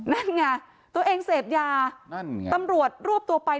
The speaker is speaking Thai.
นั่นไงตัวเองเสพยานั่นไงตำรวจรวบตัวไป